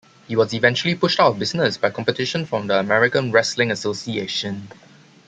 He was eventually pushed out of business by competition from the American Wrestling Association.